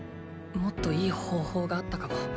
もっといい方法があったかも。